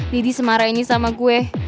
deddy semarah ini sama gue